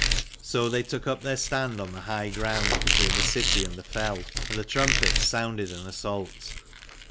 So they took up their stand on the high ground between the city and the fell, and the trumpets sounded an assault.